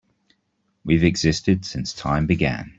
We've existed since time began.